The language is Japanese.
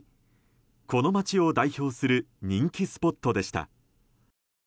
この街を代表する人気スポットでした。